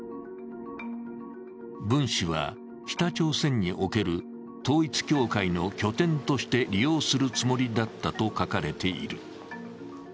文氏は、北朝鮮における統一教会の拠点として利用するつもりだったと書かれている。